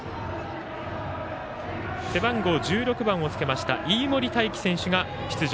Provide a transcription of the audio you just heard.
背番号１６番をつけました飯盛泰希選手が出場。